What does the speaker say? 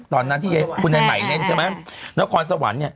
ตอนนั้นที่คุณใหม่เล่นใช่ไหมละครสวรรค์